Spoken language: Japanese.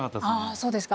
そうですか。